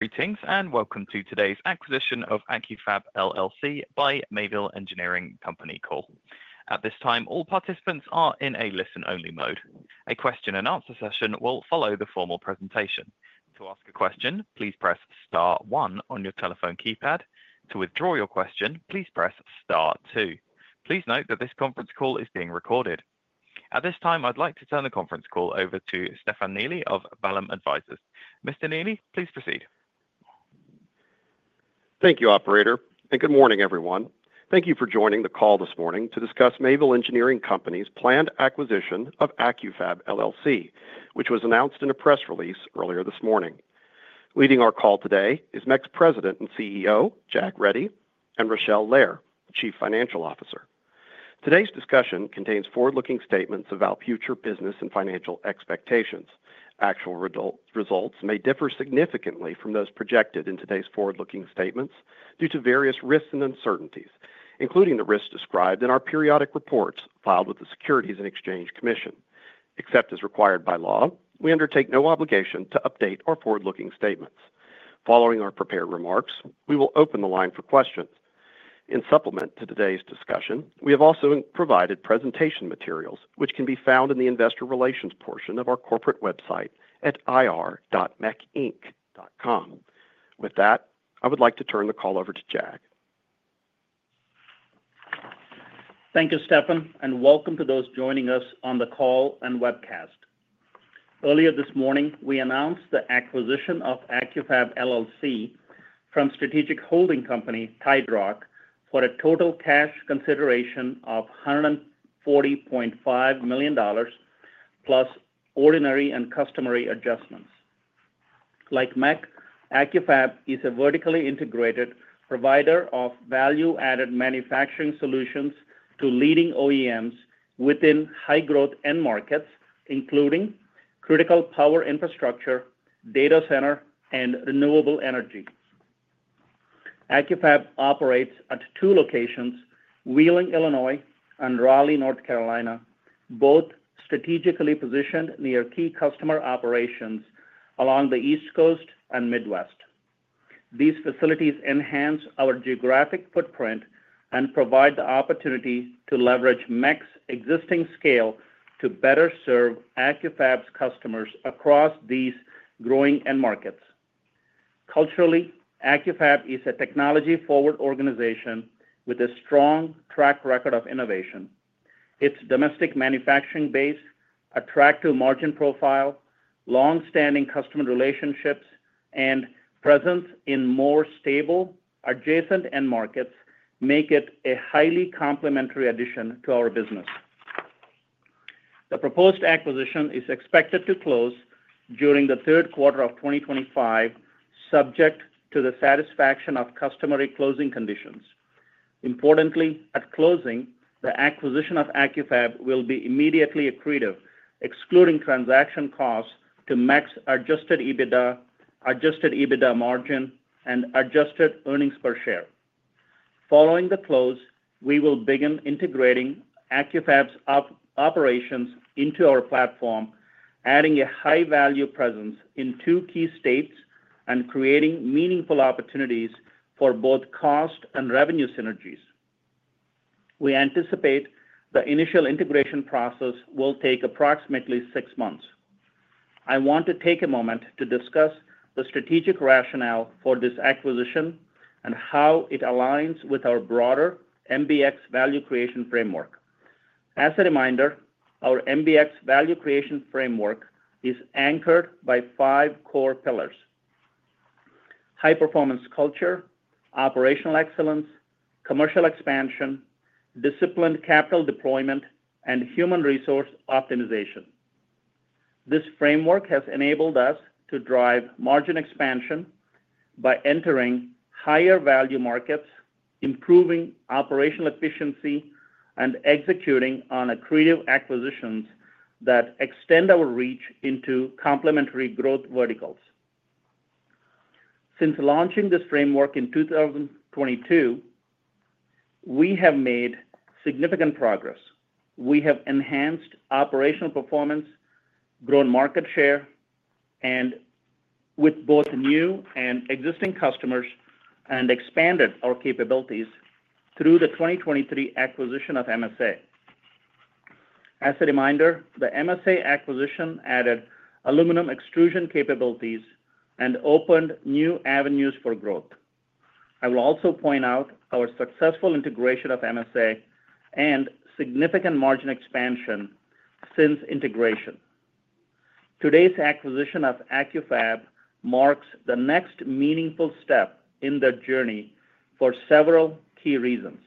Greetings and welcome to today's acquisition of Accu-Fab by Mayville Engineering Company. At this time, all participants are in a listen-only mode. A question-and-answer session will follow the formal presentation. To ask a question, please press Star 1 on your telephone keypad. To withdraw your question, please press Star 2. Please note that this conference call is being recorded. At this time, I'd like to turn the conference call over to Stefan Neely of Balam Advisors. Mr. Neely, please proceed. Thank you, Operator, and good morning, everyone. Thank you for joining the call this morning to discuss Mayville Engineering Company's planned acquisition of Accu-Fab, which was announced in a press release earlier this morning. Leading our call today is MEC President and CEO, Jack Reddy, and Rachele Lehr, Chief Financial Officer. Today's discussion contains forward-looking statements about future business and financial expectations. Actual results may differ significantly from those projected in today's forward-looking statements due to various risks and uncertainties, including the risks described in our periodic reports filed with the Securities and Exchange Commission. Except as required by law, we undertake no obligation to update our forward-looking statements. Following our prepared remarks, we will open the line for questions. In supplement to today's discussion, we have also provided presentation materials, which can be found in the investor relations portion of our corporate website at ir.mecinc.com. With that, I would like to turn the call over to Jag. Thank you, Stefan, and welcome to those joining us on the call and webcast. Earlier this morning, we announced the acquisition of Accu-Fab from Strategic Holding Company TideRock for a total cash consideration of $140.5 million, plus ordinary and customary adjustments. Like MEC, Accu-Fab is a vertically integrated provider of value-added manufacturing solutions to leading OEMs within high-growth end markets, including critical power infrastructure, data center, and renewable energy. Accu-Fab operates at two locations: Wheeling, Illinois, and Raleigh, North Carolina, both strategically positioned near key customer operations along the East Coast and Midwest. These facilities enhance our geographic footprint and provide the opportunity to leverage MEC's existing scale to better serve Accu-Fab's customers across these growing end markets. Culturally, Accu-Fab is a technology-forward organization with a strong track record of innovation. Its domestic manufacturing base, attractive margin profile, long-standing customer relationships, and presence in more stable, adjacent end markets make it a highly complementary addition to our business. The proposed acquisition is expected to close during the third quarter of 2025, subject to the satisfaction of customary closing conditions. Importantly, at closing, the acquisition of Accu-Fab will be immediately accretive, excluding transaction costs to MEC's adjusted EBITDA margin and adjusted earnings per share. Following the close, we will begin integrating Accu-Fab's operations into our platform, adding a high-value presence in two key states and creating meaningful opportunities for both cost and revenue synergies. We anticipate the initial integration process will take approximately six months. I want to take a moment to discuss the strategic rationale for this acquisition and how it aligns with our broader MBX value creation framework. As a reminder, our MBX value creation framework is anchored by five core pillars: high-performance culture, operational excellence, commercial expansion, disciplined capital deployment, and human resource optimization. This framework has enabled us to drive margin expansion by entering higher-value markets, improving operational efficiency, and executing on accretive acquisitions that extend our reach into complementary growth verticals. Since launching this framework in 2022, we have made significant progress. We have enhanced operational performance, grown market share with both new and existing customers, and expanded our capabilities through the 2023 acquisition of MSA. As a reminder, the MSA acquisition added aluminum extrusion capabilities and opened new avenues for growth. I will also point out our successful integration of MSA and significant margin expansion since integration. Today's acquisition of Accu-Fab marks the next meaningful step in the journey for several key reasons.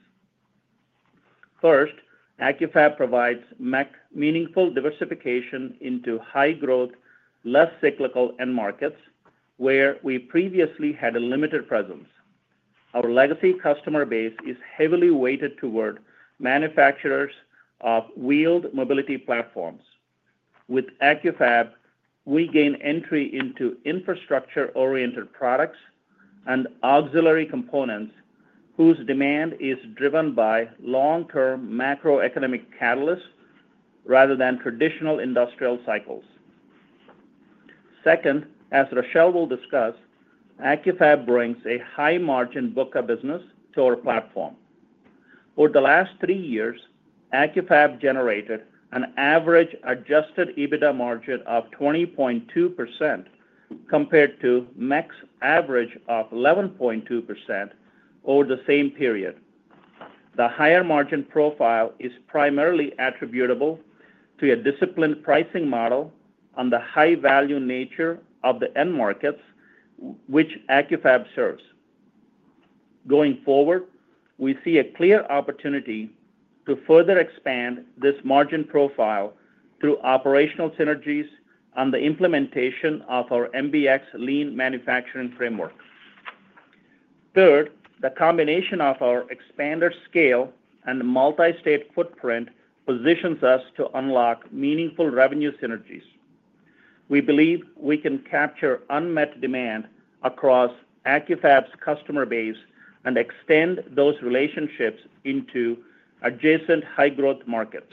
First, Accu-Fab provides MEC meaningful diversification into high-growth, less cyclical end markets where we previously had a limited presence. Our legacy customer base is heavily weighted toward manufacturers of wheeled mobility platforms. With Accu-Fab, we gain entry into infrastructure-oriented products and auxiliary components whose demand is driven by long-term macroeconomic catalysts rather than traditional industrial cycles. Second, as Rachele will discuss, Accu-Fab brings a high-margin book of business to our platform. Over the last three years, Accu-Fab generated an average Adjusted EBITDA margin of 20.2% compared to MEC's average of 11.2% over the same period. The higher margin profile is primarily attributable to a disciplined pricing model on the high-value nature of the end markets, which Accu-Fab serves. Going forward, we see a clear opportunity to further expand this margin profile through operational synergies and the implementation of our MBX lean manufacturing framework. Third, the combination of our expanded scale and multi-state footprint positions us to unlock meaningful revenue synergies. We believe we can capture unmet demand across Accu-Fab's customer base and extend those relationships into adjacent high-growth markets.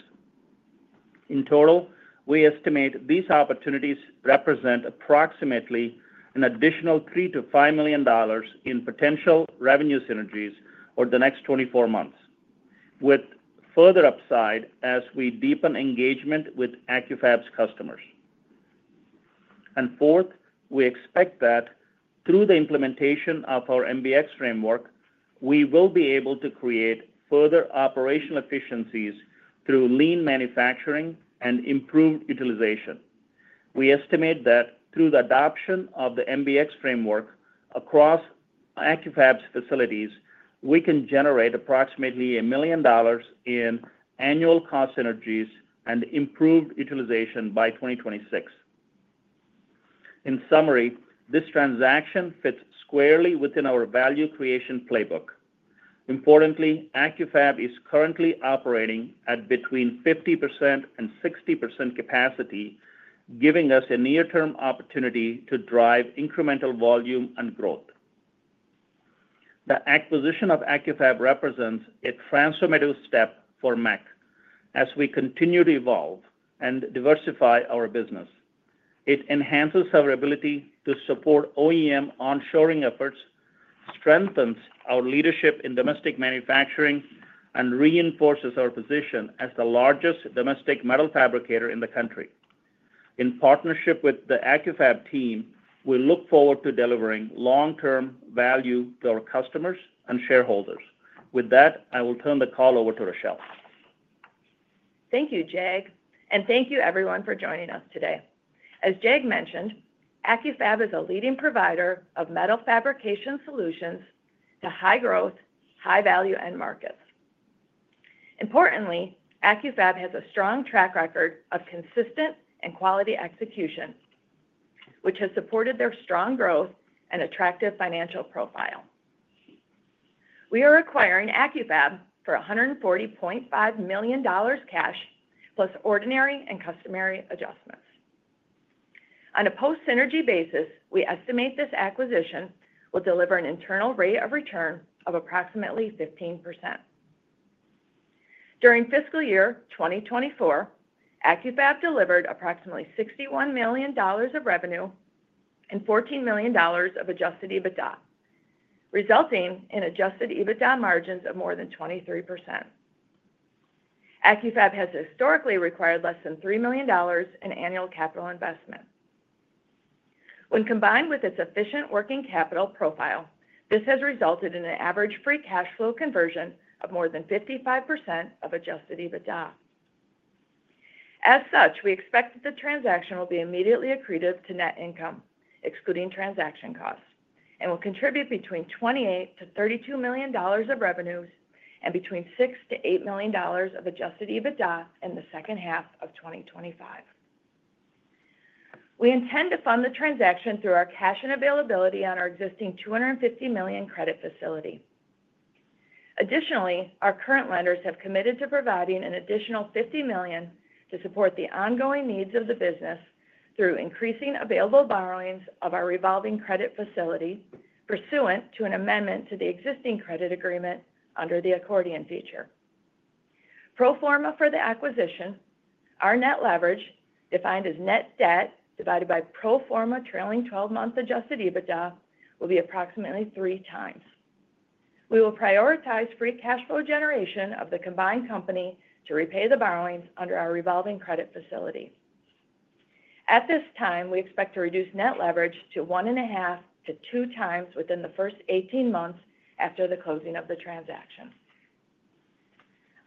In total, we estimate these opportunities represent approximately an additional $3 million-$5 million in potential revenue synergies over the next 24 months, with further upside as we deepen engagement with Accu-Fab's customers. Fourth, we expect that through the implementation of our MBX framework, we will be able to create further operational efficiencies through lean manufacturing and improved utilization. We estimate that through the adoption of the MBX framework across Accu-Fab's facilities, we can generate approximately $1 million in annual cost synergies and improved utilization by 2026. In summary, this transaction fits squarely within our value creation playbook. Importantly, Accu-Fab is currently operating at between 50% and 60% capacity, giving us a near-term opportunity to drive incremental volume and growth. The acquisition of Accu-Fab represents a transformative step for MEC as we continue to evolve and diversify our business. It enhances our ability to support OEM onshoring efforts, strengthens our leadership in domestic manufacturing, and reinforces our position as the largest domestic metal fabricator in the country. In partnership with the Accu-Fab team, we look forward to delivering long-term value to our customers and shareholders. With that, I will turn the call over to Rachele. Thank you, Jag, and thank you, everyone, for joining us today. As Jag mentioned, Accu-Fab is a leading provider of metal fabrication solutions to high-growth, high-value end markets. Importantly, Accu-Fab has a strong track record of consistent and quality execution, which has supported their strong growth and attractive financial profile. We are acquiring Accu-Fab for $140.5 million cash, plus ordinary and customary adjustments. On a post-synergy basis, we estimate this acquisition will deliver an Internal Rate of Return of approximately 15%. During fiscal year 2024, Accu-Fab delivered approximately $61 million of revenue and $14 million of adjusted EBITDA, resulting in adjusted EBITDA margins of more than 23%. Accu-Fab has historically required less than $3 million in annual capital investment. When combined with its efficient working capital profile, this has resulted in an average Free Cash Flow conversion of more than 55% of adjusted EBITDA. As such, we expect that the transaction will be immediately accretive to net income, excluding transaction costs, and will contribute between $28-$32 million of revenues and between $6-$8 million of adjusted EBITDA in the second half of 2025. We intend to fund the transaction through our cash and availability on our existing $250 million credit facility. Additionally, our current lenders have committed to providing an additional $50 million to support the ongoing needs of the business through increasing available borrowings of our Revolving Credit Facility, pursuant to an amendment to the existing Credit Agreement under the accordion feature. Pro forma for the acquisition, our net leverage, defined as Net Debt divided by Pro Torma trailing 12-Month Adjusted EBITDA, will be approximately three times. We will prioritize Free Cash Flow generation of the combined company to repay the borrowings under our Revolving Credit Facility. At this time, we expect to reduce net leverage to 1.5 to2 times within the first 18 months after the closing of the transaction.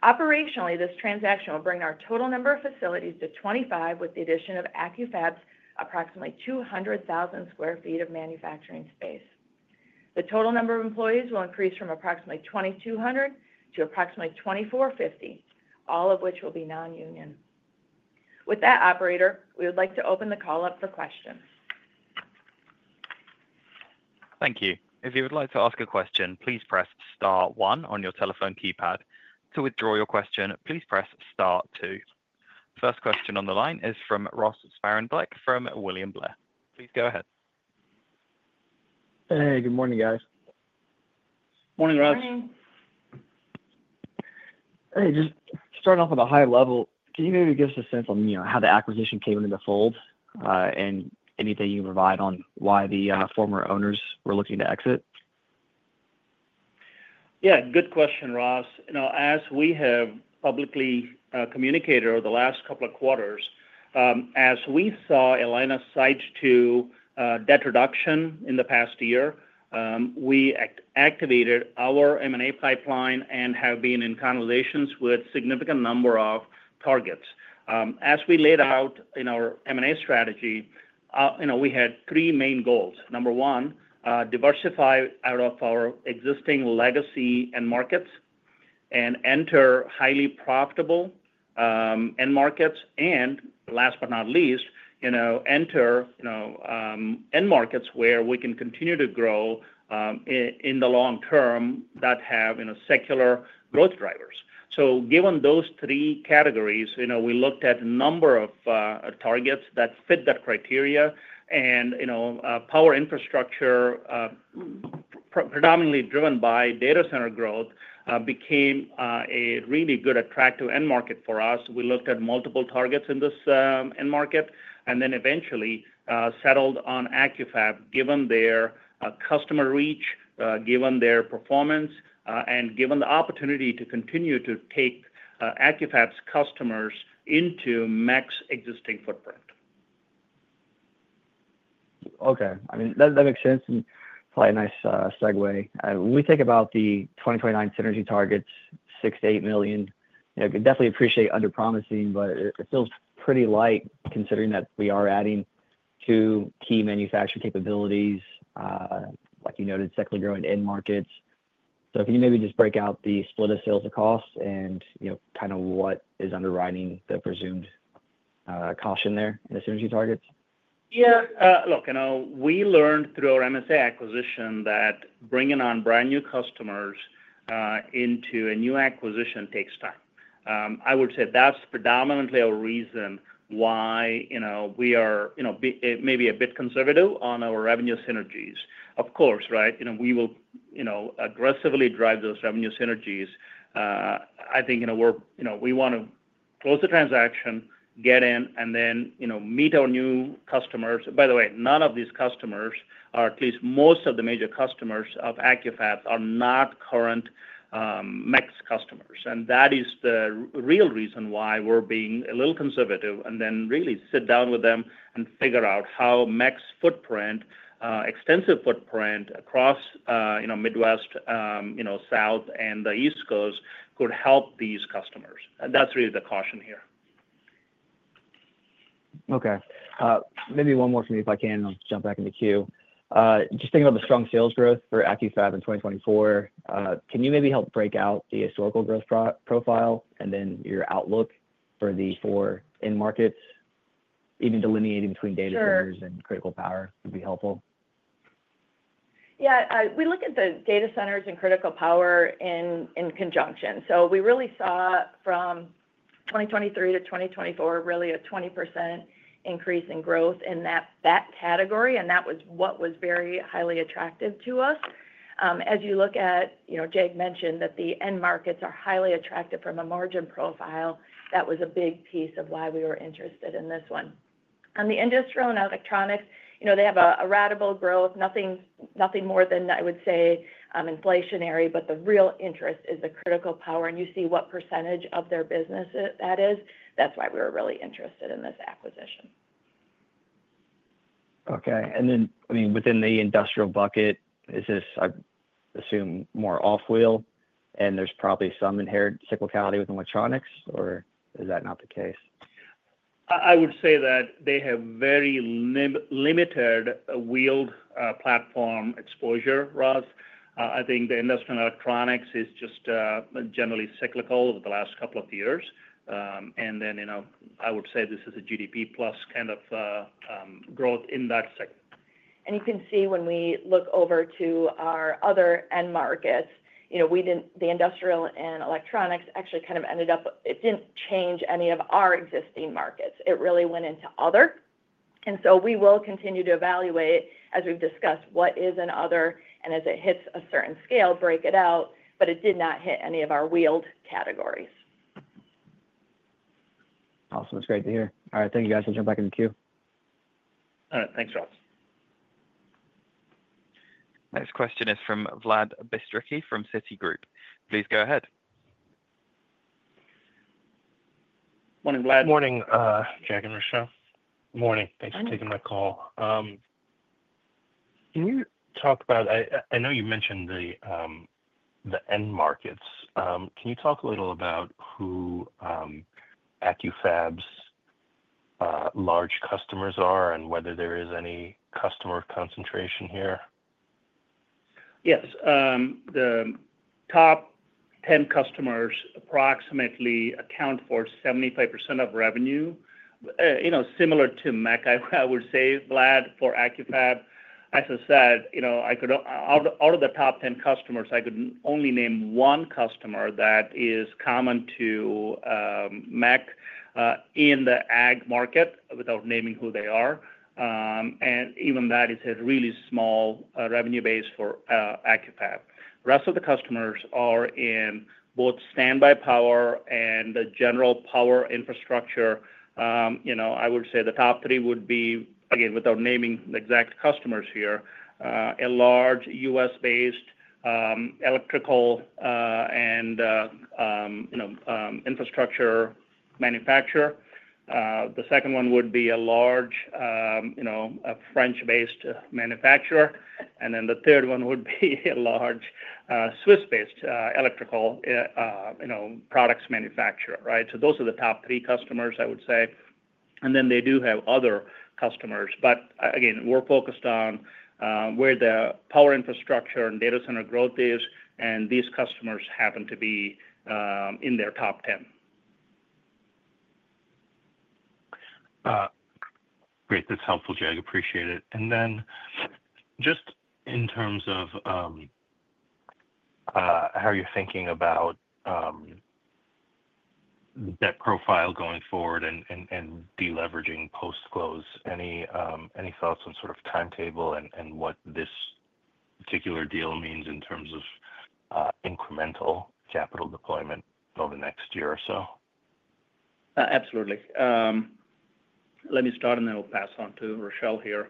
Operationally, this transaction will bring our total number of facilities to 25, with the addition of Accu-Fab's approximately 200,000 sq ft of manufacturing space. The total number of employees will increase from approximately 2,200 to approximately 2,450, all of which will be non-union. With that, Operator, we would like to open the call up for questions. Thank you. If you would like to ask a question, please press Star 1 on your telephone keypad. To withdraw your question, please press Star 2. First question on the line is from Ross Sparenblek from William Blair. Please go ahead. Hey, good morning, guys. Morning, Ross. Morning. Hey, just starting off at a high level, can you maybe give us a sense on how the acquisition came into fold and anything you can provide on why the former owners were looking to exit? Yeah, good question, Ross. As we have publicly communicated over the last couple of quarters, as we saw a lens sight to debt reduction in the past year, we activated our M&A pipeline and have been in conversations with a significant number of targets. As we laid out in our M&A strategy, we had three main goals. Number one, diversify out of our existing legacy end markets and enter highly profitable end markets. And last but not least, enter end markets where we can continue to grow in the long term that have secular growth drivers. Given those three categories, we looked at a number of targets that fit that criteria. Power infrastructure, predominantly driven by data center growth, became a really good attractive end market for us. We looked at multiple targets in this end market and then eventually settled on Accu-Fab given their customer reach, given their performance, and given the opportunity to continue to take Accu-Fab's customers into MEC's existing footprint. Okay. I mean, that makes sense. Probably a nice segue. When we think about the 2029 synergy targets, $6 to $8 million, I could definitely appreciate under-promising, but it feels pretty light considering that we are adding two key manufacturing capabilities, like you noted, secular growing end markets. So can you maybe just break out the split of sales and costs and kind of what is underwriting the presumed caution there in the synergy targets? Yeah. Look, we learned through our MSA acquisition that bringing on brand new customers into a new acquisition takes time. I would say that's predominantly a reason why we are maybe a bit conservative on our revenue synergies. Of course, right? We will aggressively drive those revenue synergies. I think we want to close the transaction, get in, and then meet our new customers. By the way, none of these customers, or at least most of the major customers of Accu-Fab, are not current MEC customers. That is the real reason why we're being a little conservative and then really sit down with them and figure out how MEC's extensive footprint across Midwest, South, and the East Coast could help these customers. That's really the caution here. Okay. Maybe one more for me, if I can, and I'll jump back in the queue. Just thinking about the strong sales growth for Accu-Fab in 2024, can you maybe help break out the historical growth profile and then your outlook for the four end markets, even delineating between data centers and critical power would be helpful? Yeah. We look at the data centers and critical power in conjunction. We really saw from 2023 to 2024, really a 20% increase in growth in that category. That was what was very highly attractive to us. As you look at, Jag mentioned that the end markets are highly attractive from a margin profile. That was a big piece of why we were interested in this one. On the industrial and electronics, they have a ratable growth, nothing more than I would say inflationary, but the real interest is the critical power. You see what percentage of their business that is. That is why we were really interested in this acquisition. Okay. And then, I mean, within the industrial bucket, is this, I assume, more off-wheel, and there's probably some inherent cyclicality with electronics, or is that not the case? I would say that they have very limited wheeled platform exposure, Ross. I think the industrial and electronics is just generally cyclical over the last couple of years. I would say this is a GDP-plus kind of growth in that sector. You can see when we look over to our other end markets, the industrial and electronics actually kind of ended up it did not change any of our existing markets. It really went into other. We will continue to evaluate, as we've discussed, what is in other, and as it hits a certain scale, break it out. It did not hit any of our wheeled categories. Awesome. That's great to hear. All right. Thank you, guys. I'll jump back in the queue. All right. Thanks, Ross. Next question is from Vlad Bistricki from Citi. Please go ahead. Morning, Vlad. Morning, Jag and Rachele. Morning. Morning. Thanks for taking my call. Can you talk about, I know you mentioned the end markets, can you talk a little about who Accu-Fab's large customers are and whether there is any customer concentration here? Yes. The top 10 customers approximately account for 75% of revenue, similar to MEC, I would say, Vlad, for Accu-Fab. As I said, out of the top 10 customers, I could only name one customer that is common to MEC in the AG market without naming who they are. Even that is a really small revenue base for Accu-Fab. The rest of the customers are in both standby power and the general power infrastructure. I would say the top three would be, again, without naming the exact customers here, a large US-based electrical and infrastructure manufacturer. The second one would be a large French-based manufacturer. The third one would be a large Swiss-based electrical products manufacturer, right? Those are the top three customers, I would say. They do have other customers. Again, we're focused on where the power infrastructure and data center growth is, and these customers happen to be in their top 10. Great. That's helpful, Jag. Appreciate it. Just in terms of how you're thinking about that profile going forward and deleveraging post-close, any thoughts on sort of timetable and what this particular deal means in terms of incremental capital deployment over the next year or so? Absolutely. Let me start, and then I'll pass on to Rachele here.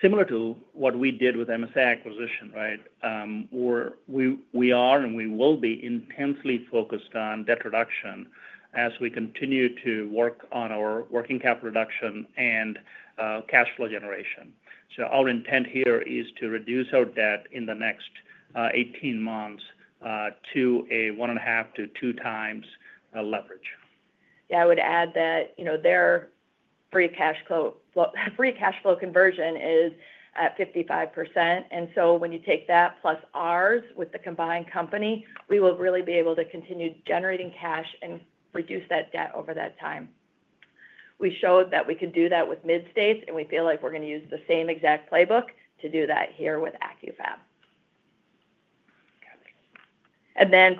Similar to what we did with MSA acquisition, right, we are and we will be intensely focused on debt reduction as we continue to work on our working capital reduction and cash flow generation. Our intent here is to reduce our debt in the next 18 months to a 1.5-2x leverage. Yeah. I would add that their free cash flow conversion is at 55%. When you take that plus ours with the combined company, we will really be able to continue generating cash and reduce that debt over that time. We showed that we could do that with Mid-States, and we feel like we're going to use the same exact playbook to do that here with Accu-Fab.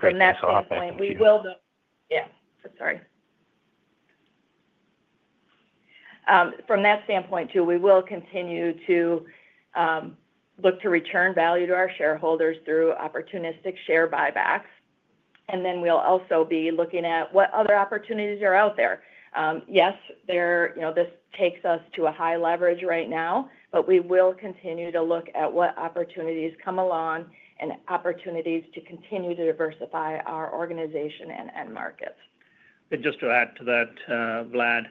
From that standpoint, we will. From that standpoint. Yeah. I'm sorry. From that standpoint too, we will continue to look to return value to our shareholders through opportunistic share buybacks. We will also be looking at what other opportunities are out there. Yes, this takes us to a high leverage right now, but we will continue to look at what opportunities come along and opportunities to continue to diversify our organization and end markets. Just to add to that, Vlad,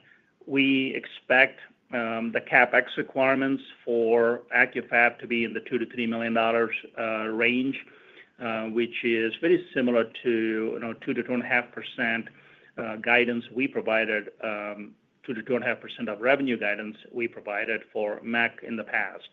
we expect the CapEx requirements for Accu-Fab to be in the $2-$3 million range, which is very similar to the 2-2.5% of revenue guidance we provided for MEC in the past.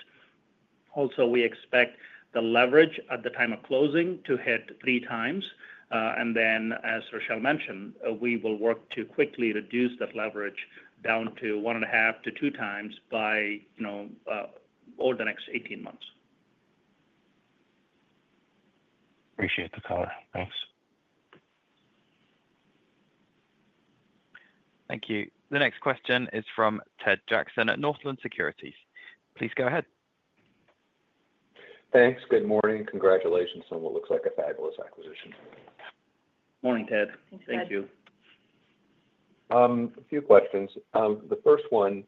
Also, we expect the leverage at the time of closing to hit three times. As Rachele mentioned, we will work to quickly reduce that leverage down to one and a half to two times over the next 18 months. Appreciate the color. Thanks. Thank you. The next question is from Ted Jackson at Northland Securities. Please go ahead. Thanks. Good morning. Congratulations on what looks like a fabulous acquisition. Morning, Ted. Thank you. A few questions. The first one,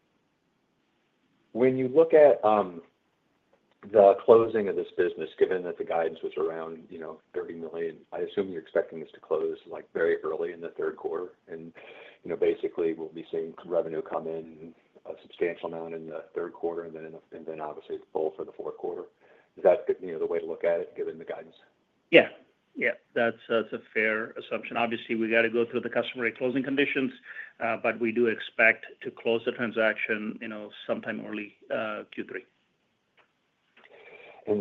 when you look at the closing of this business, given that the guidance was around $30 million, I assume you're expecting this to close very early in the third quarter. Basically, we'll be seeing revenue come in a substantial amount in the third quarter and then obviously full for the fourth quarter. Is that the way to look at it, given the guidance? Yeah. Yeah. That's a fair assumption. Obviously, we got to go through the customer closing conditions, but we do expect to close the transaction sometime early Q3. Is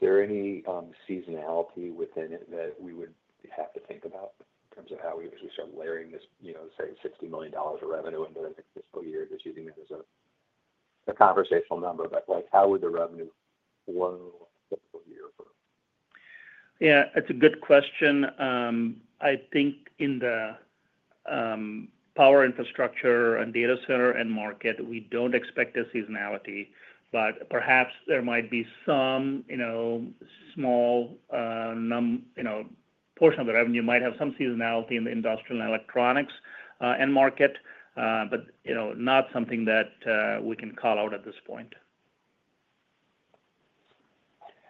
there any seasonality within the business that we would have to think about in terms of how we start layering this, say, $60 million of revenue into the fiscal year? Just using that as a conversational number, but how would the revenue flow fiscal year for? Yeah. It's a good question. I think in the power infrastructure and data center end market, we don't expect a seasonality, but perhaps there might be some small portion of the revenue might have some seasonality in the industrial and electronics end market, but not something that we can call out at this point.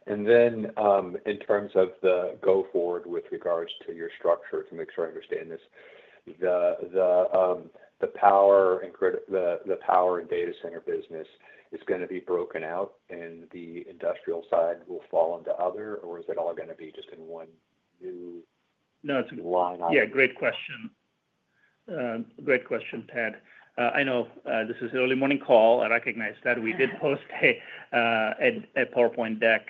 In terms of the go-forward with regards to your structure, to make sure I understand this, the power and data center business is going to be broken out, and the industrial side will fall into other, or is it all going to be just in one new line? Yeah. Great question. Great question, Ted. I know this is an early morning call. I recognize that we did post a PowerPoint deck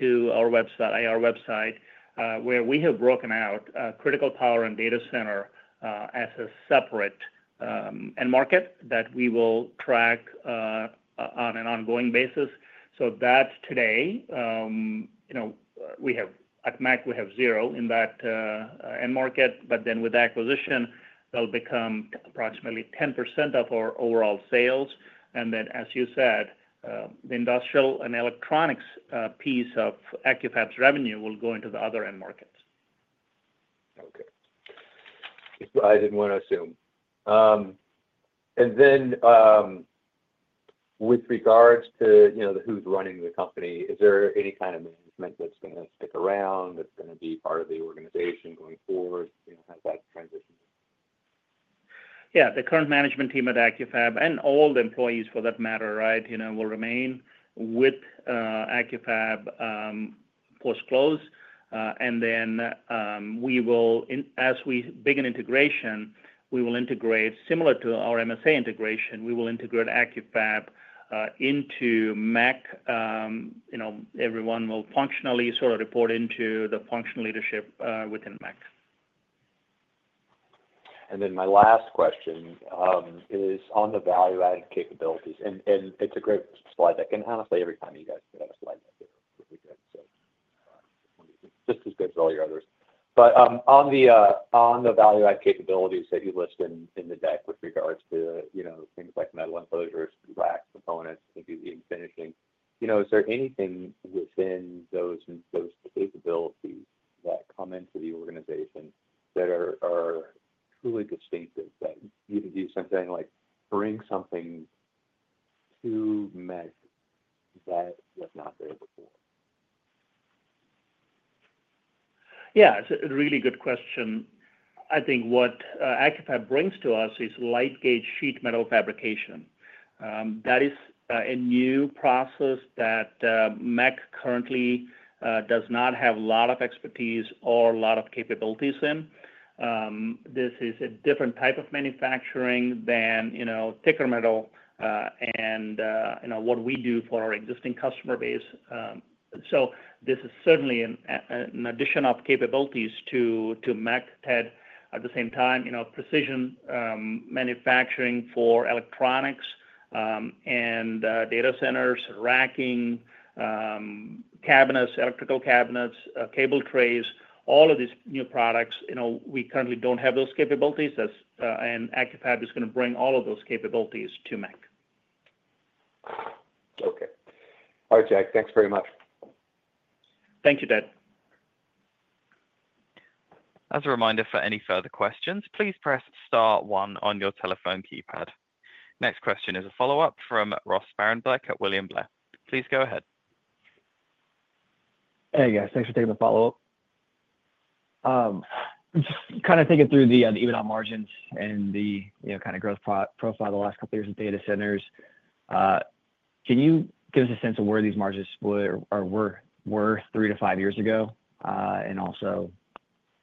to our website, IR website, where we have broken out critical power and data center as a separate end market that we will track on an ongoing basis. So that today, at MEC, we have zero in that end market, but then with the acquisition, it'll become approximately 10% of our overall sales. And then, as you said, the industrial and electronics piece of Accu-Fab's revenue will go into the other end markets. Okay. I didn't want to assume. With regards to who's running the company, is there any kind of management that's going to stick around, that's going to be part of the organization going forward? How that transition? Yeah. The current management team at Accu-Fab and all the employees, for that matter, right, will remain with Accu-Fab post-close. As we begin integration, we will integrate similar to our MSA integration, we will integrate Accu-Fab into MEC. Everyone will functionally sort of report into the functional leadership within MEC. My last question is on the value-added capabilities. It is a great slide deck. Honestly, every time you guys put out a slide deck, they are really good. Just as good as all your others. On the value-added capabilities that you list in the deck with regards to things like metal enclosures, rack components, maybe even finishing, is there anything within those capabilities that come into the organization that are truly distinctive, that you can do something like bring something to MEC that was not there before? Yeah. It's a really good question. I think what Accu-Fab brings to us is light-gauge sheet metal fabrication. That is a new process that MEC currently does not have a lot of expertise or a lot of capabilities in. This is a different type of manufacturing than thicker metal and what we do for our existing customer base. This is certainly an addition of capabilities to MEC, Ted. At the same time, precision manufacturing for electronics and data centers, racking, cabinets, electrical cabinets, cable trays, all of these new products, we currently don't have those capabilities, and Accu-Fab is going to bring all of those capabilities to MEC. Okay. All right, Jag. Thanks very much. Thank you, Ted. As a reminder, for any further questions, please press star one on your telephone keypad. Next question is a follow-up from Ross Sparenblek at William Blair. Please go ahead. Hey, guys. Thanks for taking the follow-up. I'm just kind of thinking through the EBITDA margins and the kind of growth profile of the last couple of years of data centers. Can you give us a sense of where these margins were three to five years ago and also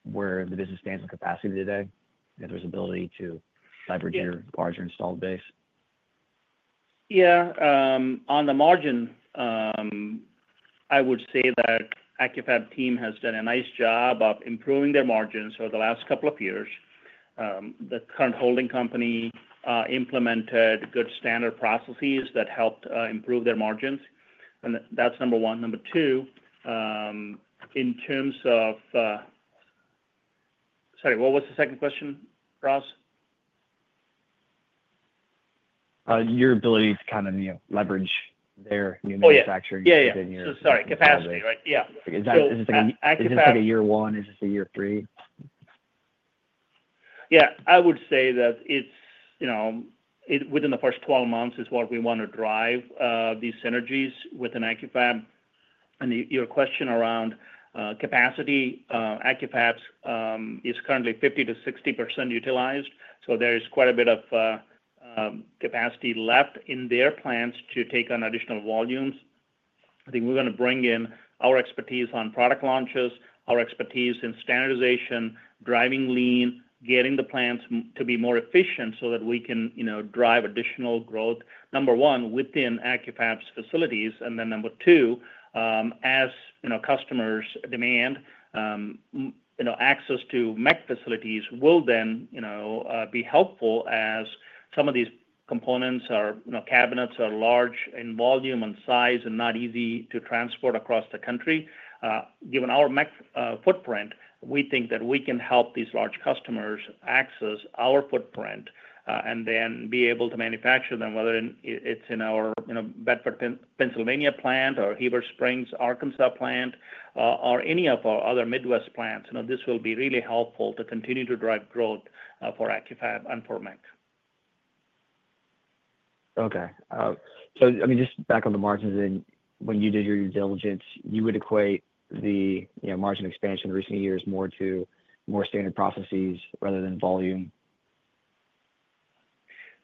where the business stands in capacity today, if there's ability to leverage your larger installed base? Yeah. On the margin, I would say that the Accu-Fab team has done a nice job of improving their margins over the last couple of years. The current holding company implemented good standard processes that helped improve their margins. That's number one. Number two, in terms of—sorry, what was the second question, Ross? Your ability to kind of leverage their new manufacturing within your. Oh, yeah. Sorry, capacity, right? Yeah. Is this like a year one? Is this a year three? Yeah. I would say that within the first 12 months is what we want to drive these synergies within Accu-Fab. Your question around capacity, Accu-Fab is currently 50%-60% utilized. There is quite a bit of capacity left in their plants to take on additional volumes. I think we're going to bring in our expertise on product launches, our expertise in standardization, driving lean, getting the plants to be more efficient so that we can drive additional growth, number one, within Accu-Fab's facilities. Number two, as customers demand, access to MEC's facilities will then be helpful as some of these components or cabinets are large in volume and size and not easy to transport across the country. Given our MEC footprint, we think that we can help these large customers access our footprint and then be able to manufacture them, whether it's in our Bedford, Pennsylvania plant, or Heber Springs, Arkansas plant, or any of our other Midwest plants. This will be really helpful to continue to drive growth for Accu-Fab and for MEC. Okay. So I mean, just back on the margins, when you did your due diligence, you would equate the margin expansion recent years more to more standard processes rather than volume?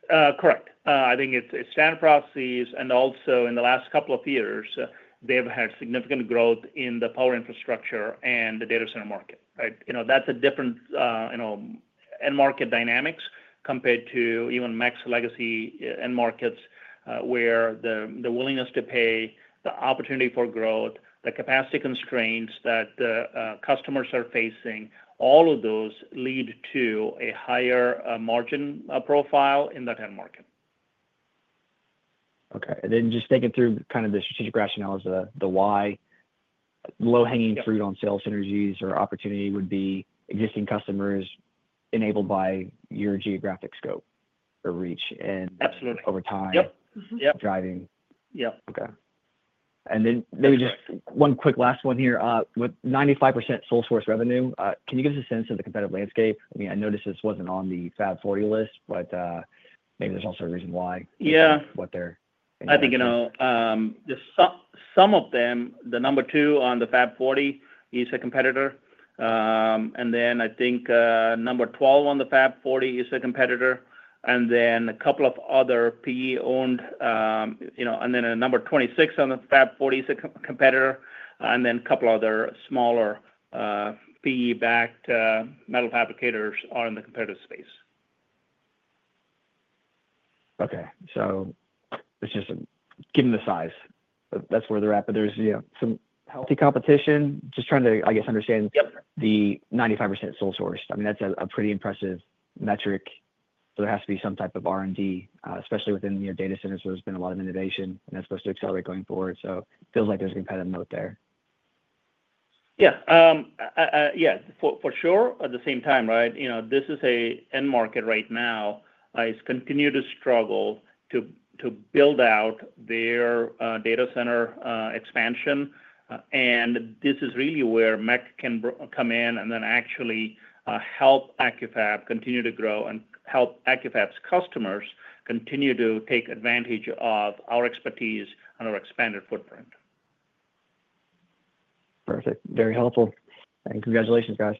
Correct. I think it's standard processes. Also, in the last couple of years, they've had significant growth in the power infrastructure and the data center market, right? That's a different end market dynamics compared to even MEC's legacy end markets where the willingness to pay, the opportunity for growth, the capacity constraints that customers are facing, all of those lead to a higher margin profile in that end market. Okay. And then just thinking through kind of the strategic rationales, the why, low-hanging fruit on sales synergies or opportunity would be existing customers enabled by your geographic scope or reach and over time driving. Absolutely. Yep. Yep. Okay. And then maybe just one quick last one here. With 95% sole source revenue, can you give us a sense of the competitive landscape? I mean, I noticed this wasn't on the Fab 40 list, but maybe there's also a reason why what they're. Yeah. I think some of them, the number two on the Fab 40 is a competitor. I think number 12 on the Fab 40 is a competitor. A couple of other PE-owned. Number 26 on the Fab 40 is a competitor. A couple of other smaller PE-backed metal fabricators are in the competitive space. Okay. So it's just given the size, that's where they're at, but there's some healthy competition. Just trying to, I guess, understand the 95% sole source. I mean, that's a pretty impressive metric. There has to be some type of R&D, especially within your data centers. There's been a lot of innovation, and that's supposed to accelerate going forward. It feels like there's a competitive note there. Yeah. Yeah. For sure. At the same time, right, this is an end market right now. It's continued to struggle to build out their data center expansion. This is really where MEC can come in and then actually help Accu-Fab continue to grow and help Accu-Fab's customers continue to take advantage of our expertise and our expanded footprint. Perfect. Very helpful. Congratulations, guys.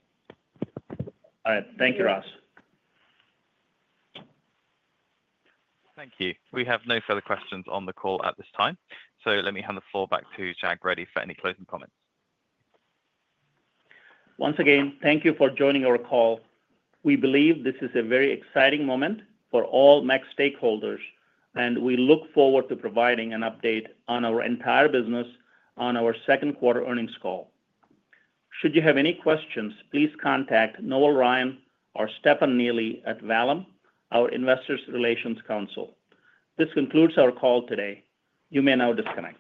All right. Thank you, Ross. Thank you. We have no further questions on the call at this time. Let me hand the floor back to Jag Reddy for any closing comments. Once again, thank you for joining our call. We believe this is a very exciting moment for all MEC stakeholders, and we look forward to providing an update on our entire business on our second quarter earnings call. Should you have any questions, please contact Noel Ryan or Stefan Neely at Valem, our investor relations counsel. This concludes our call today. You may now disconnect.